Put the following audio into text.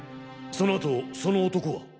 そのあとその男は？